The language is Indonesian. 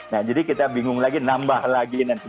nah jadi kita bingung lagi nambah lagi nanti